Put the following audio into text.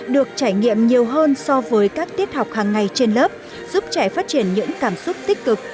được trải nghiệm nhiều hơn so với các tiết học hàng ngày trên lớp giúp trẻ phát triển những cảm xúc tích cực